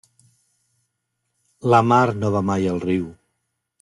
La mar no va mai al riu.